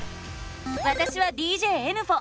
わたしはＤＪえぬふぉ。